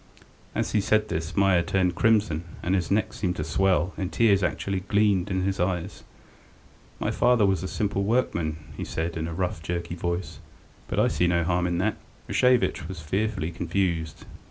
As he said this Meier turned crimson, and his neck seemed to swell, and tears actually gleamed in his eyes. "My father was a simple workman," he said, in a rough, jerky voice, "but I see no harm in that." Rashevitch was fearfully confused.